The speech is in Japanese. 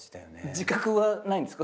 自覚はないんですか？